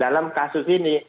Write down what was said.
dalam kasus ini